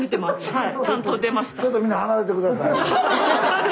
はい。